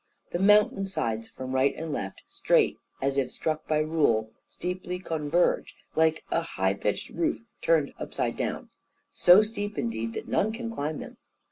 The mountain sides from right and left, straight as if struck by rule, steeply converge, like a high pitched roof turned upside down; so steep indeed that none can climb them.